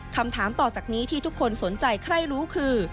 คำถามต่อจากนี้ที่ทุกคนสนใจใครรู้คือ